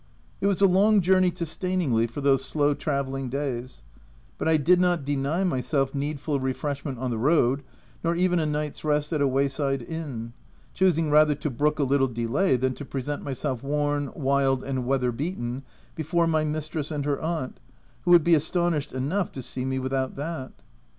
It was a long journey to Staningley for those slow travelling days ; but I did not deny myself needful refreshment on the road, nor even a night's rest at a way side inn ; choosing rather to brook a little delay than to present myself worn, wild, and wea therbeaten before my mistress and her aunt, who w r ould be astonished enough to see me without that.